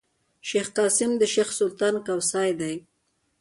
شېخ قاسم د شېخ سلطان کوسی دﺉ.